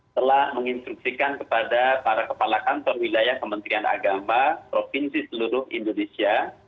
telah menginstruksikan kepada para kepala kantor wilayah kementerian agama provinsi seluruh indonesia